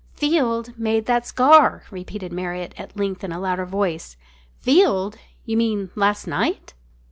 "Field made that scar!" repeated Marriott at length in a louder voice. "Field! You mean last night?"